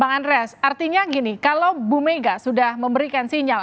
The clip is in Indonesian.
bang andreas artinya gini kalau bu mega sudah memberikan sinyal